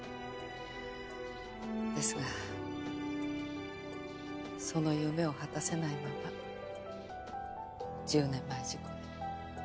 ですがその夢を果たせないまま１０年前事故で。